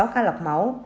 sáu ca lọc máu